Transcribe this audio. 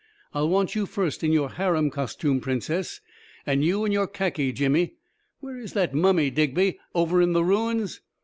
I will want you first in your harem costume, Princess, and you in your khaki, Jimmy. Where is that mummy, Digby? Over in the ruins?